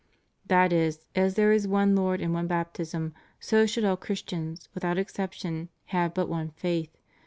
^ That is, as there is one Lord and one baptism, so should all Christians, without exception, have but one faith.